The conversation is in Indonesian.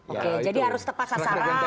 oke jadi harus tepat sasaran